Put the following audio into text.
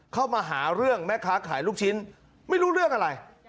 เข้ามาหาเรื่องแม่ค้าขายลูกชิ้นไม่รู้เรื่องอะไร